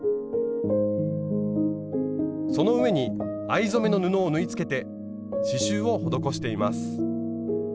その上に藍染めの布を縫いつけて刺しゅうを施しています。